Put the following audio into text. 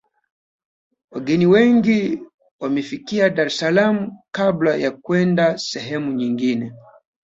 wageni wengi wanafikia dar es salaam kabla ya kwenda sehemu nyingine